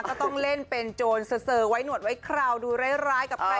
ก็ต้องเล่นเป็นโจรเซอร์ไว้หนวดไว้คราวดูร้ายกับใคร